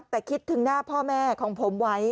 แต่คิดถึงหน้าพ่อแม่ของผมไว้